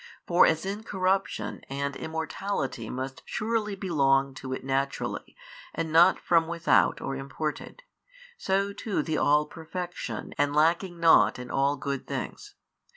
For as incorruption and immortality must surely belong to it naturally and not from without or imported, so too the all perfection and lacking nought in all good things.